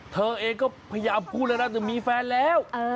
เธอเองก็พยายามพูดแล้วนะจะมีแฟนแล้ว